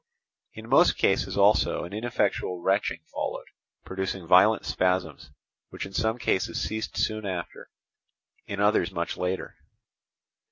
In most cases also an ineffectual retching followed, producing violent spasms, which in some cases ceased soon after, in others much later.